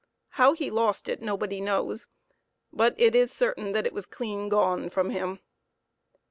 How he lost it nobody knows, but it is certain that it was clean gone from him.